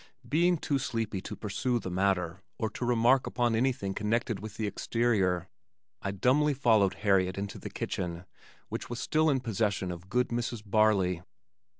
Being too sleepy to pursue the matter, or to remark upon anything connected with the exterior, I dumbly followed Harriet into the kitchen which was still in possession of good Mrs. Barley.